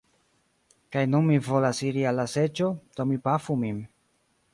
Kaj nun mi volas iri al la seĝo, do mi pafu min.